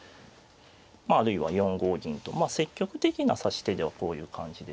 まああるいは４五銀と積極的な指し手ではこういう感じでしょうかね。